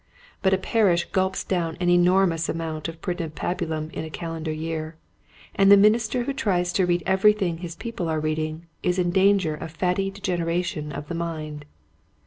But a parish gulps down an enormous amount of printed pabulum in a calendar year, and the min ister who tries to read everything his people are reading is in danger of fatty degeneration of the mind.